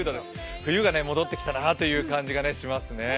冬が戻ってきたなという感じがしますね。